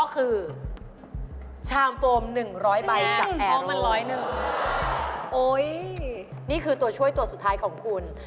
ก็คือชามโฟม๑๐๐ใบจากแอร์นี่คือตัวช่วยตัวสุดท้ายของคุณ